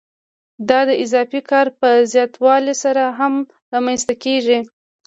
دا د اضافي کار په زیاتوالي سره هم رامنځته کېږي